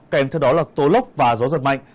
kèm theo đó là tố lốc và gió giật mạnh